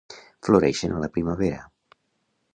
Floreixen a la primavera.